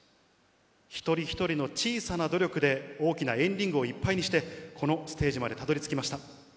一人一人の小さな努力で、大きなエンリングをいっぱいにして、このステージまでたどりつきました。